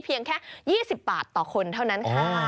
เพียงแค่๒๐บาทต่อคนเท่านั้นค่ะ